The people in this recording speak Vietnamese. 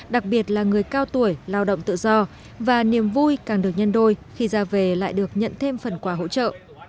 đặc biệt là người cao tuổi lao động tự do và niềm vui càng được nhân đôi khi ra về lại được nhận thêm phần quà hỗ trợ